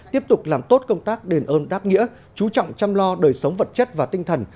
tiếp tục làm tốt công tác đền ơn đáp nghĩa chú trọng chăm lo đời sống vật chất và tinh thần